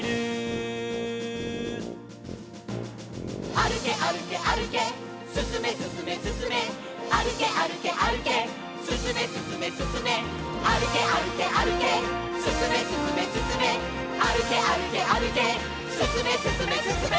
「あるけあるけあるけすすめすすめすすめ」「あるけあるけあるけすすめすすめすすめ」「あるけあるけあるけすすめすすめすすめ」「あるけあるけあるけすすめすすめすすめ」